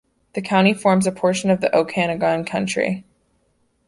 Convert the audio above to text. The county forms a portion of the Okanogan Country.